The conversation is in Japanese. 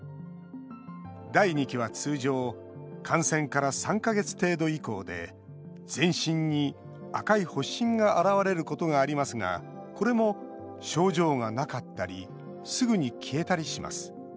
第２期は通常感染から３か月程度以降で全身に赤い発疹が現れることがありますがこれも症状がなかったりすぐに消えたりします。